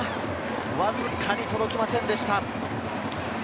わずかに届きませんでした。